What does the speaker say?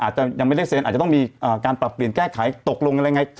เห็นไหมนี่